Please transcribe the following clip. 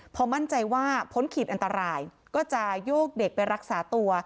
พอมั่นใจว่าพ้นขีดอันตรายก็จะโยกเด็กไปรักษาตัว